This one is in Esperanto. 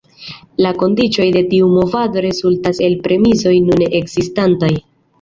La kondiĉoj de tiu movado rezultas el la premisoj nune ekzistantaj".